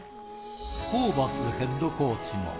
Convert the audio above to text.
ホーバスヘッドコーチも。